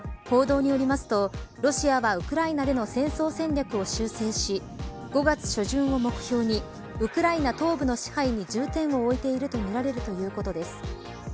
報道によりますとロシアはウクライナでの戦争戦略を修正し５月初旬を目標にウクライナ東部の支配に重点を置いているとみられるということです。